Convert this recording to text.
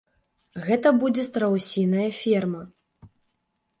Гэта будзе страусіная ферма.